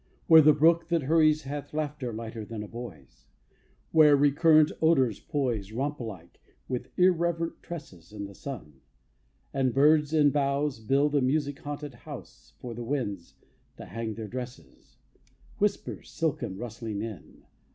Where the brook, that hurries, hath Laughter lighter than a boy's; Where recurrent odors poise, Romp like, with irreverent tresses, In the sun; and birds and boughs Build a music haunted house For the winds to hang their dresses, Whisper silken, rustling in.